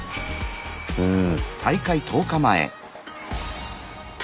うん。